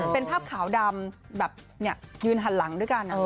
เป็นภาพขาวดำแบบยืนหันหลังด้วยกัน